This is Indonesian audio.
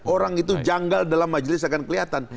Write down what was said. orang itu janggal dalam majelis akan kelihatan